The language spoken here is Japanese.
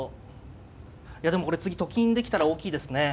いやでもこれ次と金できたら大きいですね。